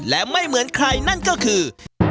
และไม่เหมือนใครนั่นก็คือ